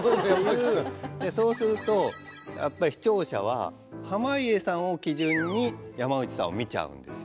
そうするとやっぱり視聴者は濱家さんを基準に山内さんを見ちゃうんですよ。